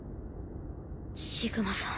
シグマさん。